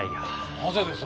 なぜです？